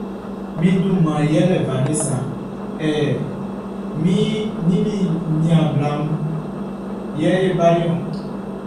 Mi duman yɛlɛ Vanessa hɛ, mi ni mi niaan bla mun yɛ e baliɔ.